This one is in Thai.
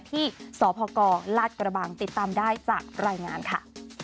ที่สพลาดกระบังติดตามได้จากรายงานค่ะ